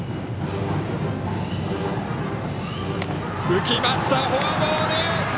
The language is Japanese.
浮きました、フォアボール。